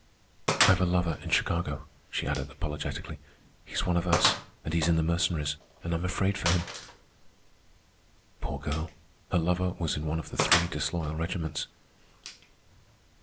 "I've a lover in Chicago," she added apologetically. "He's one of us, and he's in the Mercenaries, and I'm afraid for him." Poor girl. Her lover was in one of the three disloyal regiments.